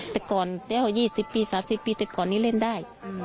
แต่ก่อนแล้ว๒๐ปี๓๐ปีแต่ก่อนนี้เล่นได้